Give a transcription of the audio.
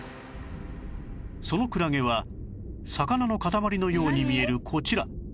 そのクラゲは魚のかたまりのように見えるこちら